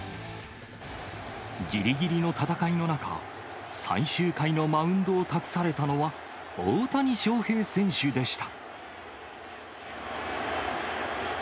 ぎりぎりの戦いの中、最終回のマウンドを託されたのは、大谷翔平選手でした。